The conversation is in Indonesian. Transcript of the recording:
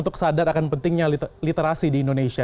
untuk sadar akan pentingnya literasi di indonesia